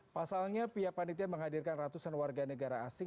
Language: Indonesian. pasalnya pihak panitia menghadirkan ratusan warga negara asing